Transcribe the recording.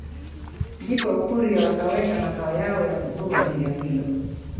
Ndipo wakurya wakaweka makao yao ya kudumu eneo hilo